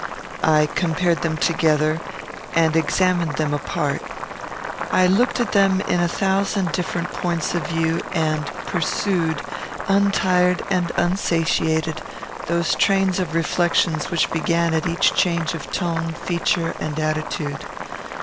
I compared them together, and examined them apart. I looked at them in a thousand different points of view, and pursued, untired and unsatiated, those trains of reflections which began at each change of tone, feature, and attitude.